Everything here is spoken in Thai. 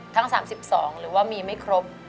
ทั้ง๓๒หรือว่ามีไม่ครบ